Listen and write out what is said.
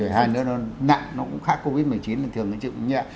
rồi hai nữa nó nặng nó cũng khác covid một mươi chín thì thường nó chịu cũng nhẹ